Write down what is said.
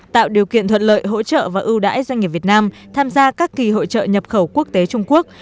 tạo điều kiện thuận lợi hỗ trợ và ưu đãi doanh nghiệp việt nam tham gia các kỳ hội trợ nhập khẩu quốc tế trung quốc